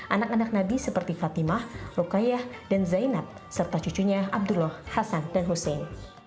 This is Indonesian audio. anak anak nabi seperti fatimah rukayah dan zainab serta cucunya abdullah hasan dan hussein